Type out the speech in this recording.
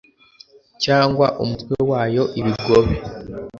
cyangwa umutwe wayo ibigobe